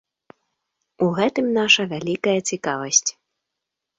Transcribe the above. У гэтым наша вялікая цікавасць.